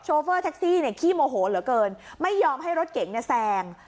เฟอร์แท็กซี่เนี่ยขี้โมโหเหลือเกินไม่ยอมให้รถเก๋งเนี่ยแซง